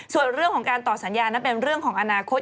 ส่วนเรื่องของการต่อสัญญานั้นเป็นเรื่องของอนาคต